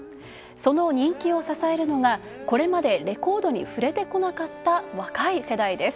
その人気を支えるのが、これまでレコードに触れてこなかった若い世代です。